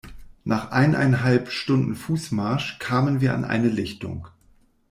Nach eineinhalb Stunden Fußmarsch kamen wir an eine Lichtung.